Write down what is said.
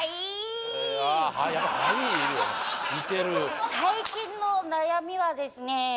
はい最近の悩みはですね